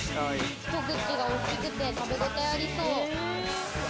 ひと口が大きくて食べごたえありそう。